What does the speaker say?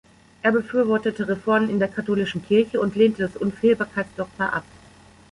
Er befürwortete Reformen in der katholischen Kirche und lehnte das Unfehlbarkeitsdogma ab.